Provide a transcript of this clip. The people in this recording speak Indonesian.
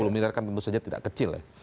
sepuluh miliar kan tentu saja tidak kecil ya